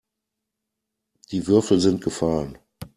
Die Würfel sind gefallen.